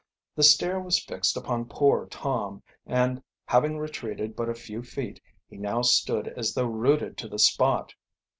The stare was fixed upon poor Tom, and having retreated but a few feet, he now stood as though rooted to the spot.